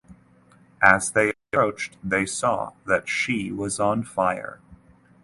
As they approached they saw that she was on fire.